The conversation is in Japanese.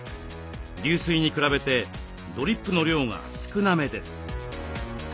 流水に比べてドリップの量が少なめです。